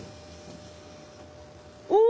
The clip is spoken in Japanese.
お！